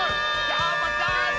どーもどーも！